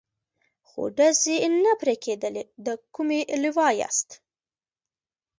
خو ډزې نه پرې کېدلې، د کومې لوا یاست؟